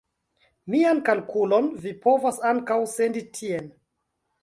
Mian kalkulon vi povas ankaŭ sendi tien.